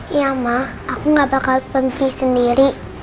iya ma aku gak bakal pergi sendiri